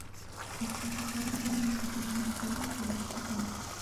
El Pasacalle tiene una escritura menos libre que la Chacona.